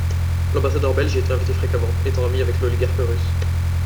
L’ambassadeur belge y était invité fréquemment, étant ami avec l'oligarque russe.